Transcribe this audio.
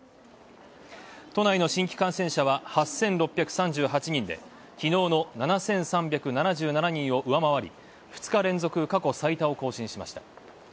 都内の新規感染者は８６３８人で、きのうの７３７７人を上回り２日連続過去最多を更新しました。